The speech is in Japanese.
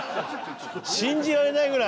信じられないぐらい。